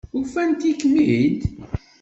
Ufant-ikem-id?